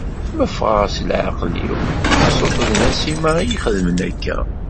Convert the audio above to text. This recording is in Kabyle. Ma ffɣeɣ seg leɛqel-iw ḥṣut d Nasima i yi-xedmen akka.